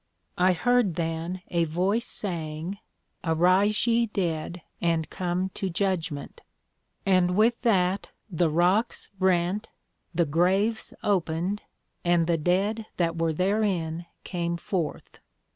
I heard then a Voice saying, Arise ye dead, and come to Judgment; and with that the Rocks rent, the Graves opened, and the Dead that were therein came forth.